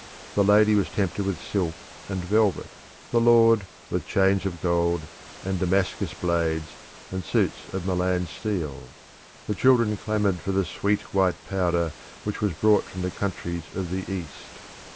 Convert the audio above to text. The lady was tempted with silk and velvet; the lord, with chains of gold, and Damascus blades, and suits of Milan steel; the children clamoured for the sweet white powder which was brought from the countries of the East.